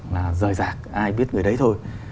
là rời rạc ai biết người đấy thôi